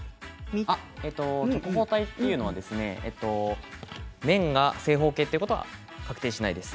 直方体というのは面が正方形ということは確定しないです。